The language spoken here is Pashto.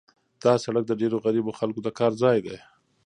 دا سړک د ډېرو غریبو خلکو د کار ځای دی.